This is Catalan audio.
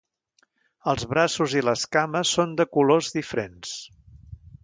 Els braços i les cames són de colors diferents.